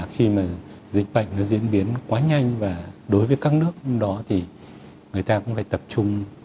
khi mà dịch bệnh nó diễn biến quá nhanh và đối với các nước đó thì người ta cũng phải tập trung